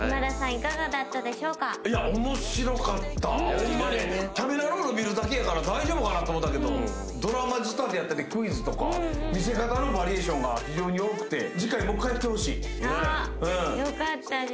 いかがだったでしょうかいや面白かったほんまにキャメラロール見るだけやから大丈夫かなと思ったけどドラマ仕立てやったりクイズとか見せ方のバリエーションが非常によくて次回もう一回やってほしいよかったです